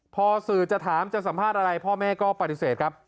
พอสื่อจะถามจะสัมภาษณ์อะไรพ่อแม่ก็ปฏิเสธครับ